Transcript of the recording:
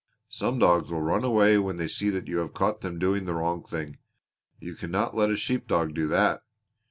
Some dogs will run away when they see that you have caught them doing the wrong thing. You cannot let a sheep dog do that."